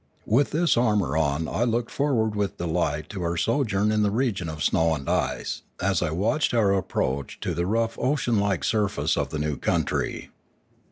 With this armour on I looked forward with delight to our sojourn in the region of snow and ice as I watched our approach to the rough ocean like surface of the new country.